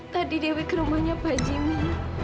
tadi dewi ke rumahnya pak jimmy